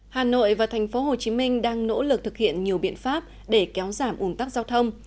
hà nội và thành phố hồ chí minh đang nỗ lực thực hiện nhiều biện pháp để kéo giảm un tắc giao thông